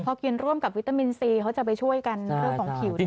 พอกินร่วมกับวิตามินซีเขาจะไปช่วยกันเรื่องของผิว